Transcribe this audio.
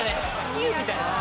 ピュッみたいな。